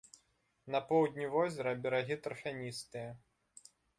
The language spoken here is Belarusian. На поўдні возера берагі тарфяністыя.